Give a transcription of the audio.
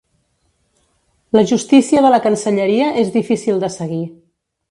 La justícia de la Cancelleria és difícil de seguir.